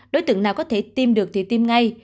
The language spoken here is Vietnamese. đối tượng nào có thể tiêm được thì tiêm ngay